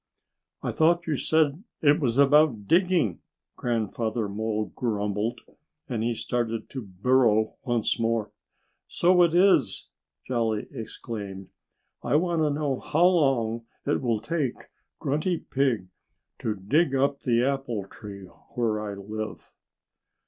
"I thought you said it was about digging," Grandfather Mole grumbled. And he started to burrow once more. "So it is!" Jolly exclaimed. "I want to know how long it will take Grunty Pig to dig up the apple tree where I live."